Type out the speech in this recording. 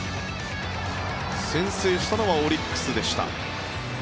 先制したのはオリックスでした。